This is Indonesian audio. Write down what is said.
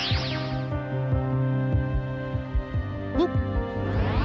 aku akan mengejarmu